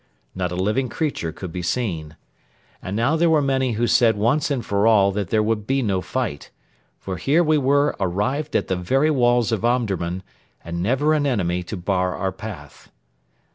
Not a living creature could be seen. And now there were many who said once and for all that there would be no fight; for here we were arrived at the very walls of Omdurman, and never an enemy to bar our path.